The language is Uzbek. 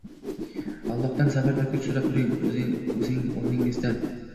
Allohdan sabr va kuch so’rab, turing o’rningizdan!